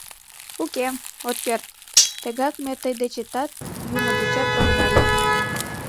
Уке, от керт: тегак ме тый дечетат, юмет дечат огына лӱд!